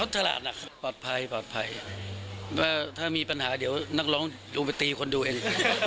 ถ้ามีปัญหาเดี๋ยวนักร้องลงไปตีคนดูเอง